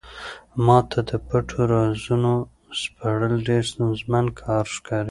ما ته د پټو رازونو سپړل ډېر ستونزمن کار ښکاري.